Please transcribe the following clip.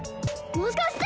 もしかして！